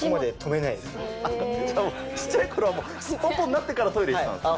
ちっちゃいころはもう、すっぽんぽんになってからトイレ行ってたんですか。